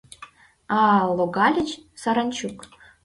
— А-а-а... логальыч, саранчук!